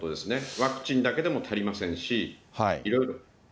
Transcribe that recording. ワクチンだけでも足りませんし、いろいろ。